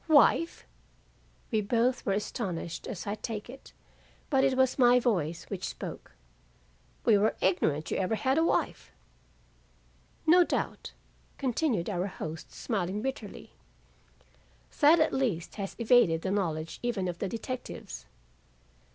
"Wife!" We both were astonished as I take it, but it was my voice which spoke. "We were ignorant you ever had a wife." "No doubt," continued our host smiling bitterly, "that at least has evaded the knowledge even of the detectives."